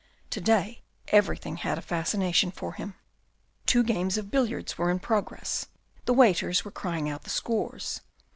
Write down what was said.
To day, everything had a fascination for him. Two games of billiards were in progress. The waiters were crying out the scores.